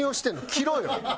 着ろよ！